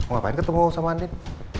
ngapain ketemu sama andin